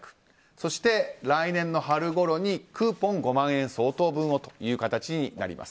そして、来年の春ごろにクーポン５万円相当分という形になります。